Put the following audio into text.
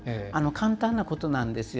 簡単なことなんですよ。